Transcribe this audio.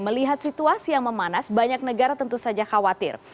melihat situasi yang memanas banyak negara tentu saja khawatir